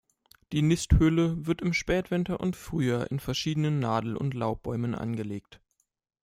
Die Nisthöhle wird im Spätwinter und Frühjahr in verschiedenen Nadel- und Laubbäumen angelegt.